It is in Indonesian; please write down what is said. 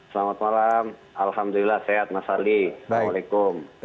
selamat malam alhamdulillah sehat mas ali assalamualaikum